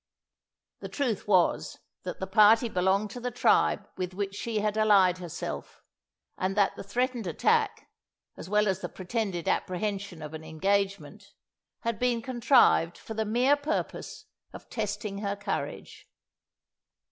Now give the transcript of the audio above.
The truth was that the party belonged to the tribe with which she had allied herself, and that the threatened attack, as well as the pretended apprehension of an engagement, had been contrived for the mere purpose of testing her courage.